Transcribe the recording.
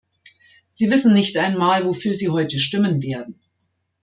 Sie wissen nicht einmal, wofür Sie heute stimmen werden.